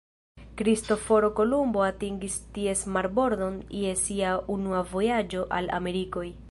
Kristoforo Kolumbo atingis ties marbordon je sia unua vojaĝo al Amerikoj.